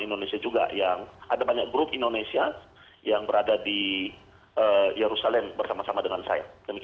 indonesia juga yang ada banyak grup indonesia yang berada di yerusalem bersama sama dengan saya